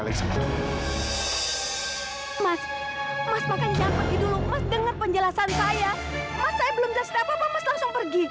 mas makan siapa dulu mas dengar penjelasan saya saya belum jelasin apa apa langsung pergi